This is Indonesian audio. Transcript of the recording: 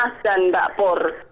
bu sukina dan mbak pur